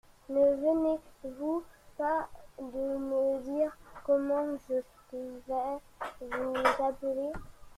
Ne venez-vous pas de me dire comment je devais vous appeler !